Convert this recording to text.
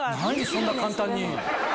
そんな簡単に。